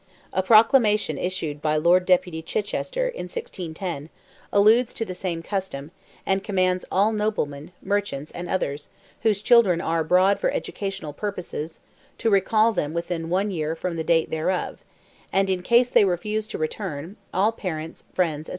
A proclamation issued by Lord Deputy Chichester, in 1610, alludes to the same custom, and commands all noblemen, merchants, and others, whose children are abroad for educational purposes, to recall them within one year from the date thereof; and in case they refuse to return, all parents, friends, &c.